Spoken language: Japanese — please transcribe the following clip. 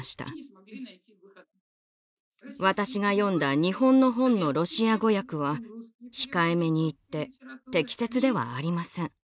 私が読んだ日本の本のロシア語訳は控えめに言って適切ではありません。